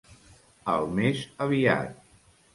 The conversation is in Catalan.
Al més aviat.